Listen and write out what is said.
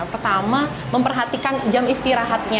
pertama memperhatikan jam istirahatnya